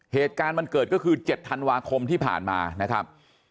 เหตุการณ์มันเกิดก็คือ๗ธันวาคมที่ผ่านมานะครับ